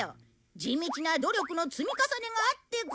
地道な努力の積み重ねがあってこそ。